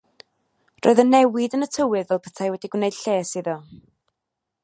Roedd y newid yn y tywydd fel petai wedi gwneud lles iddo.